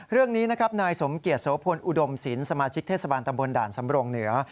เรื่องนี้นะครับนายสมเกียจโสพลอุดมศิลป์สมาชิกเทศบาลตำบลด่านสำรงเหนือ